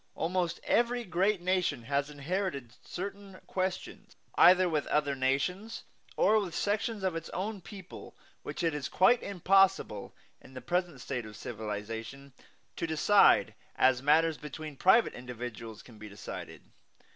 Almost every great nation has inherited certain questions, either with other nations or with sections of its own people, which it is quite impossible, in the present state of civilization, to decide as matters between private individuals can be decided.